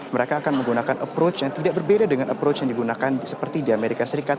mereka akan menggunakan approach yang tidak berbeda dengan approach yang digunakan seperti di amerika serikat